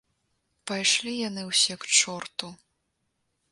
Пайшлі яны ўсе к чорту.